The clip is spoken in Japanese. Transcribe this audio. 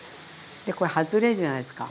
でこれ外れるじゃないですか。